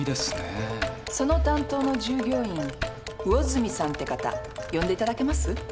その担当の従業員魚住さんて方呼んでいただけます？